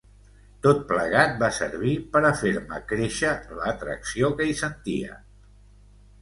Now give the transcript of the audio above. Tot plegat va servir per a fer-me créixer l'atracció que hi sentia.